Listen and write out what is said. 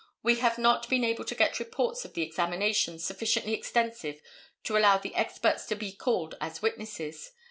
We have not been able to get reports of the examinations sufficiently extensive to allow the experts to be called as witnesses.